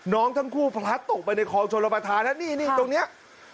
น้องทั้งคู่พลัดตกไปในคลองชนประธานนะนี่ตรงนี้